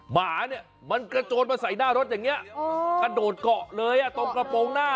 หมาเนี่ยมันกระโจนมาใส่หน้ารถอย่างนี้กระโดดเกาะเลยอ่ะตรงกระโปรงหน้า